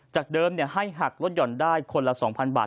จากเดิมให้หักลดหย่อนได้คนละ๒๐๐บาท